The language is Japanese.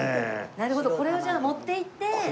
なるほどこれを持っていって。